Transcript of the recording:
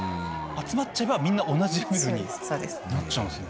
集まっちゃえばみんな同じレベルになっちゃうんすね。